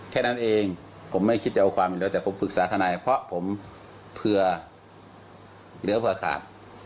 แค่นั้นเองผมไม่คิดจะเอาความเหลือแต่ผมปรึกษาทนายเพราะผมเผื่อเหลือเผื่อขาด